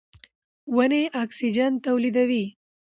ونې اکسیجن تولیدوي.